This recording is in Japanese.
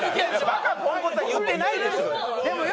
「バカ・ポンコツ」は言ってないでしょうよ！